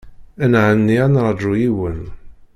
Ad nɛenni ad nraju yiwen.